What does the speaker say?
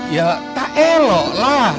ya tak eloklah